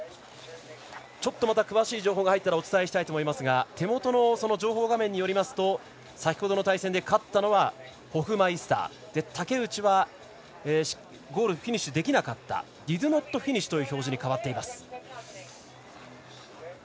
ちょっと詳しい情報が入ったらお伝えしたいと思いますが手元の情報画面によりますと先ほどの対戦で勝ったのはホフマイスター、竹内はゴールフィニッシュできなかったディドゥノットフィニッシュという表示に変わっています。